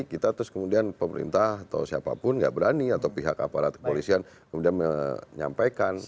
kita terus kemudian pemerintah atau siapapun nggak berani atau pihak aparat kepolisian kemudian menyampaikan